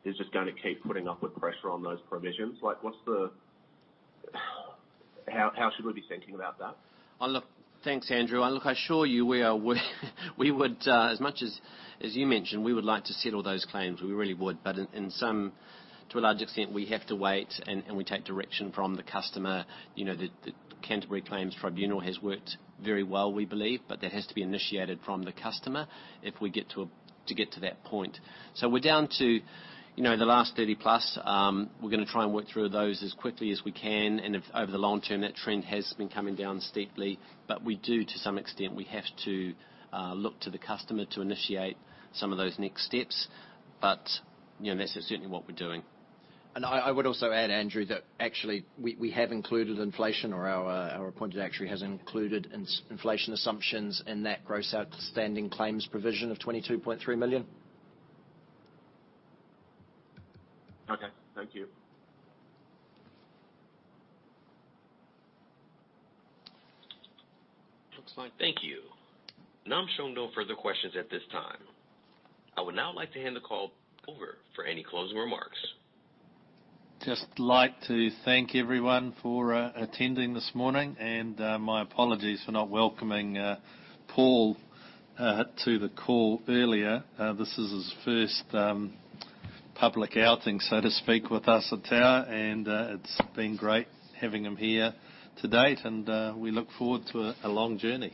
is just gonna keep putting upward pressure on those provisions. Like, how should we be thinking about that? Oh, look, thanks, Andrew. Look, I assure you we would, as much as you mentioned, we would like to settle those claims. We really would. In some, to a large extent, we have to wait and we take direction from the customer. You know, the Canterbury Earthquakes Insurance Tribunal has worked very well, we believe, but that has to be initiated from the customer if we get to that point. We're down to, you know, the last 30 plus. We're gonna try and work through those as quickly as we can and, over the long term, that trend has been coming down steeply. We do, to some extent, have to look to the customer to initiate some of those next steps. You know, that's certainly what we're doing. I would also add, Andrew, that actually we have included inflation or our appointed actuary has included inflation assumptions in that gross outstanding claims provision of 22.3 million. Okay, thank you. Looks like- Thank you. Now I'm showing no further questions at this time. I would now like to hand the call over for any closing remarks. just like to thank everyone for attending this morning, and my apologies for not welcoming Paul to the call earlier. This is his first public outing, so to speak, with us at Tower, and it's been great having him here to date, and we look forward to a long journey.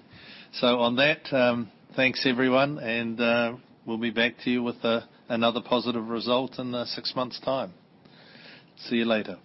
On that, thanks everyone, and we'll be back to you with another positive result in six months' time. See you later.